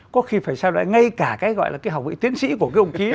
có khi phải sao lại ngay cả cái gọi là cái học vị tiến sĩ của cái ông ký